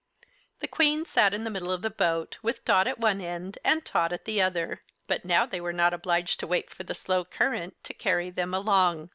The Queen sat in the middle of the boat, with Dot at one end and Tot at the other. But now they were not obliged to wait for the slow current to carry them along.